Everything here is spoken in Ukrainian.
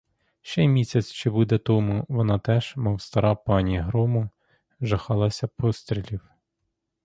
Ще й місяць чи буде тому, вона теж, мов стара пані грому, жахалася пострілів.